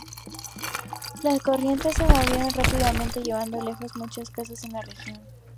Las corrientes se movieron rápidamente llevando lejos muchas casas en la región.